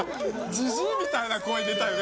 じじいみたいな声出たよね